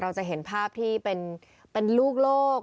เราจะเห็นภาพที่เป็นลูกโลก